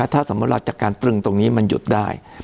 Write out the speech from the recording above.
ถ้าสมมุติเราจากการตรึงตรงนี้มันหยุดได้